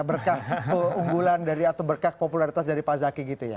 berkah keunggulan dari atau berkah popularitas dari pak zaki gitu ya